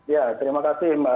ya terima kasih mbak